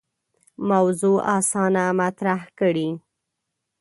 موضوع اسانه مطرح کړي.